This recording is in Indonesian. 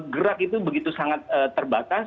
gerak itu begitu sangat terbatas